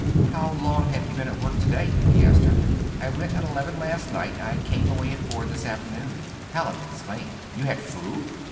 "How long have you been at work to day?" he asked her. "I went at eleven last night. I came away at four this afternoon." Hallin exclaimed, "You had food?"